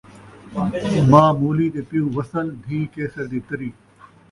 ماء مولی تے پیو وصل ، دھی کیسر دی تری